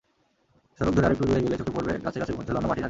সড়ক ধরে আরেকটু দূরে গেলেই চোখে পড়বে গাছে গাছে ঝোলানো মাটির হাঁড়ি।